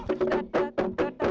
udah tahu ya